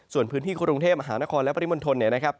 ส่วนพื้นที่กรุงเทพมหานครและปริมณฑลเนี่ยนะครับ